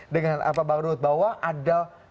bang rudh bahwa ada